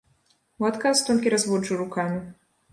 У адказ толькі разводжу рукамі.